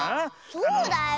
そうだよ。